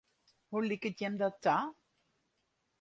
Hoe liket jim dat ta?